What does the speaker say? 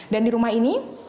dan di rumah ini